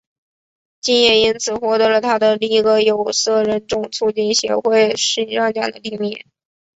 金也因此获得了她的第一个有色人种促进协会形象奖的提名。